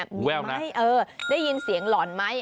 แววไหมเออได้ยินเสียงหล่อนไหม